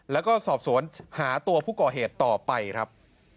แล้วก็สอบสวนหาตัวผู้ก่อเหตุต่อไปครับ